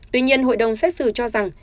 tuy nhiên hội đồng xét xử cho rằng